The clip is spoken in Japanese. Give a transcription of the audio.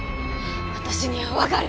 私にはわかる！